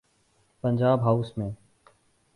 Punjab house میں۔